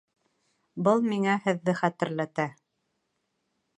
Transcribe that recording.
Был миңә һеҙҙе хәтерләтә